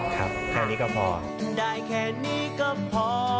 ใช่แค่นี้ก็พอ